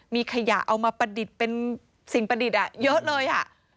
มีขยะเอามาประดิษฐ์เป็นสิ่งประดิษฐ์เยอะเลยอ่ะ